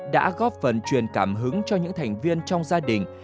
đã góp phần truyền cảm hứng cho những thành viên trong gia đình